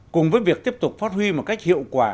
cùng với việc tiếp tục phát huy một cách hiệu quả